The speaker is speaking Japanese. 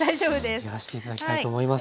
やらして頂きたいと思います。